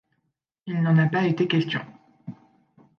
Il n'en a pas été question.